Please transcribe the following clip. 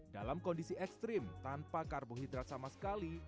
dalam kondisi ekstrim tanpa karbohidrat sama sekali